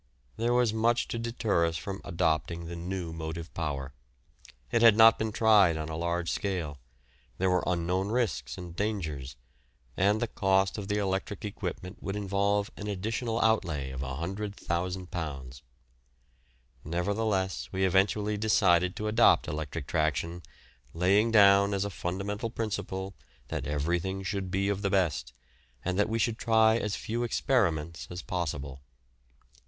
There was much to deter us from adopting the new motive power. It had not been tried on a large scale; there were unknown risks and dangers, and the cost of the electric equipment would involve an additional outlay of £100,000. Nevertheless we eventually decided to adopt electric traction, laying down as a fundamental principle that everything should be of the best, and that we would try as few experiments as possible.